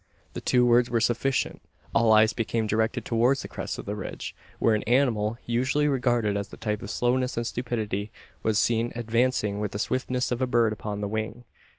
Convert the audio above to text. The two words were sufficient. All eyes became directed towards the crest of the ridge, where an animal, usually regarded as the type of slowness and stupidity, was seen advancing with the swiftness of a bird upon the wing.